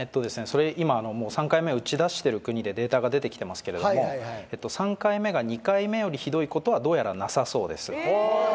はい今３回目を打ちだしてる国でデータが出てきてますけれども３回目が２回目よりひどいことはどうやらなさそうです